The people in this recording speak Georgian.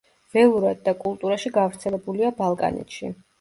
ველურად და კულტურაში გავრცელებულია ბალკანეთში.